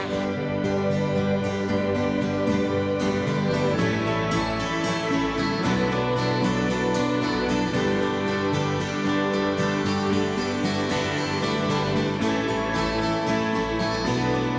สวัสดี